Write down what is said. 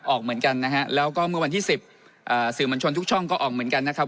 ออกเหมือนกันนะฮะแล้วก็เมื่อวันที่๑๐สื่อมวลชนทุกช่องก็ออกเหมือนกันนะครับ